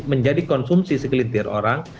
menjadi konsumsi segelintir orang